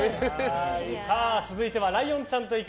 続いてはライオンちゃんと行く！